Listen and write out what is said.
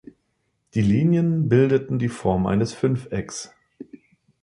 Die Linien bildeten die Form eines Fünfecks.